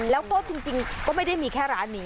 แล้วก็จริงก็ไม่ได้มีแค่ร้านนี้